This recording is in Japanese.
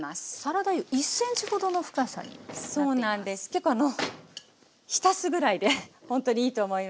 結構浸すぐらいでほんとにいいと思います。